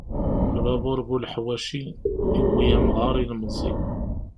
Lbabur bu leḥwaci, iwwi amɣar ilemẓi.